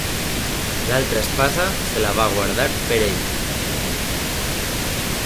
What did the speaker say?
L'altra espasa se la va guardar per ell.